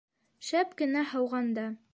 Шәп кенә һауғанда...